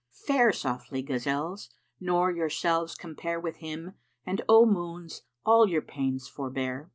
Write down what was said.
Fare softly, gazelles, nor yourselves compare * With him and, O Moons, all your pains forbear!'"